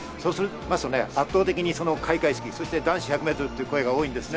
そうすると圧倒的に開会式、男子１００ｍという声が多いんです。